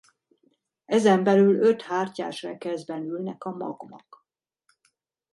Ezen belül öt hártyás rekeszben ülnek a magvak.